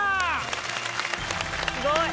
すごい。